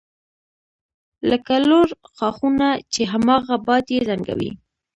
لکه لوړ ښاخونه چې هماغه باد یې زنګوي